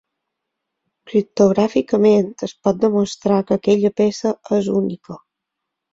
Criptogràficament es pot demostrar que aquella peça és única.